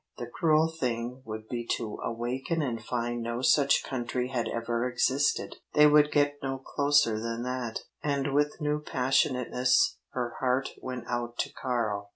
"The cruel thing would be to awaken and find no such country had ever existed." They would get no closer than that, and with new passionateness her heart went out to Karl.